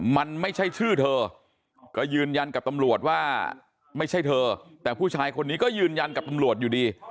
มันไม่ใช่ชื่อเธอก็ยืนยันกับตำรวจว่าไม่ใช่เธอแต่ผู้ชายคนนี้ก็ยืนยันกับตำรวจอยู่ดี